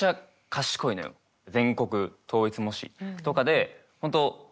全国統一模試とかで本当